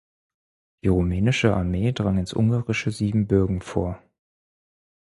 Die rumänische Armee drang ins ungarische Siebenbürgen vor.